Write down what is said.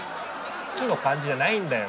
好きの感じじゃないんだよ！